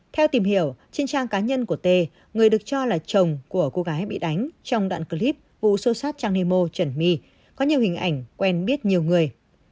theo tìm hiểu trên trang cá nhân của t người được cho là chồng của cô gái bị đánh trong đoạn clip vụ xô xát trangimo trần my có nhiều hình ảnh quen biết nhiều người